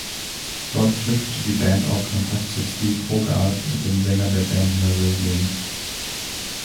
Dort knüpfte die Band auch Kontakt zu Steve Hogarth, dem Sänger der Band Marillion.